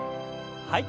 はい。